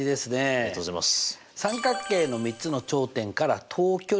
ありがとうございます。